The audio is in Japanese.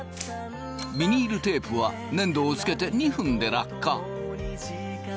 ビニールテープは粘土を付けて２分で落下。